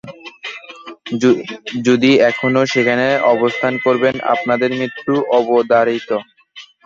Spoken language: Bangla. যদি এখনও সেখানে অবস্থান করবেন, আপনাদের মৃত্যু অবধারিত।